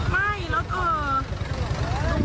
ไม่แล้วก็